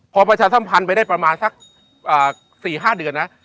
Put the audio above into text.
พอประชาสัมพันธ์ไปได้ประมาณสัก๔๕เดือนนะ